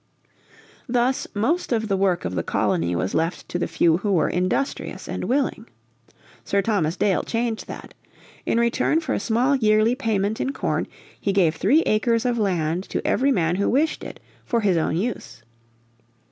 Thus most of the work of the colony was left to the few who were industrious and willing. Sir Thomas Dale changed that. In return for a small yearly payment in corn he gave three acres of land to every man who wished it, for his own use.